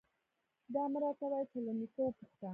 _دا مه راته وايه چې له نيکه وپوښته.